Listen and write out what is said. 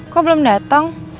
kok belum dateng